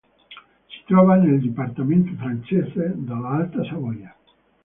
Si trova nel dipartimento francese dell'Alta Savoia.